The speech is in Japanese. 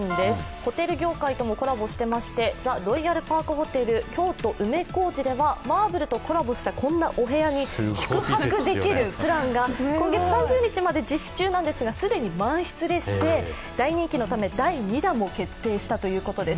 ホテル業界ともコラボしてまして、ザ・ロイヤルパークホテル京都梅小路では、マーブルとコラボしたお部屋に宿泊できるプランが今月３０日まで実施中なんですが既に満室でして大人気のため第２弾も決定したということです。